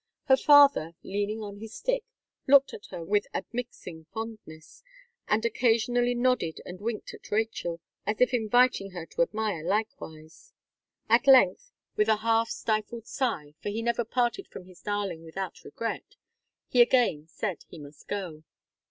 Her father, leaning on his stick, looked at her with admixing fondness, and occasionally nodded and winked at Rachel, as if inviting her to admire likewise. At length, with a half stifled sigh for he never parted from his darling without regret he again said he must go.